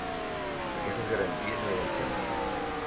Aquestes garanties no hi van ser mai.